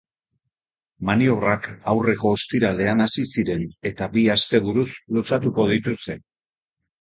Maniobrak aurreko ostiralean hasi ziren eta bi asteburuz luzatuko dituzte.